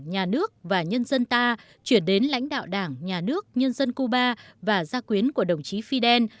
nhà nước và nhân dân ta chuyển đến lãnh đạo đảng nhà nước nhân dân cuba và gia quyến của đồng chí fidel